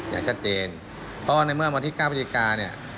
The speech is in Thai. อย่างชัดเจนเพราะว่าในเมื่อวันที่๙พฤศจิกาเนี่ย